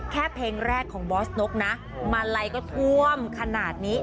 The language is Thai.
แค่เพลงแรกของบอสนกนะมาลัยก็ท่วมขนาดนี้